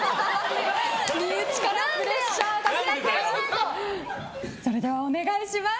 身内からプレッシャーがかかっています。